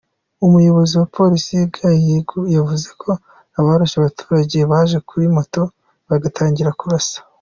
Umuyobozi wa Polisi, Guy Ye yavuze ko abarashe abaturage baje kuri moto bagatangira kurasa.